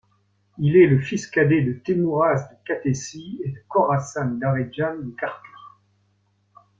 Il est le fils cadet de Teimouraz de Kakhétie et de Khorassan-Daredjan de Karthli.